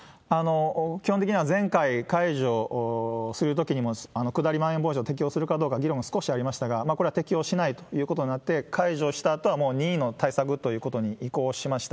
基本的には前回、解除するときにも下りまん延防止を適用するかどうか、議論少しありましたが、これは適用しないということになって、解除したあとは、もう任意の対策ということに移行しました。